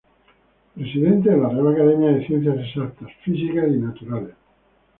Presidente de la Real Academia de Ciencias Exactas, Físicas y Naturales.